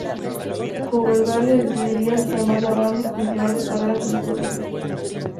Coverdale decidiría desarmar la banda y continuar su carrera como solista.